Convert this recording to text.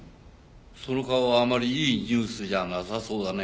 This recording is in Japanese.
その顔はあまりいいニュースじゃなさそうだね。